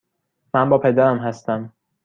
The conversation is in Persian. من با پدرم هستم.